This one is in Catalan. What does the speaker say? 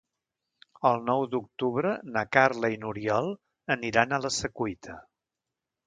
El nou d'octubre na Carla i n'Oriol aniran a la Secuita.